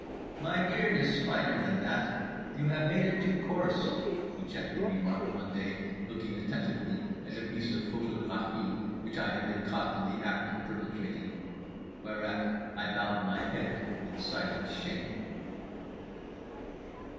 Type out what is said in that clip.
"My beard is finer than that; you have made it too coarse," he gently remarked one day, looking attentively at a piece of photographie which I had been caught in the act of perpetrating: whereat I bowed my head in silent shame.